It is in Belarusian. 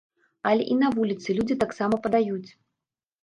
Але і на вуліцы людзі таксама падаюць.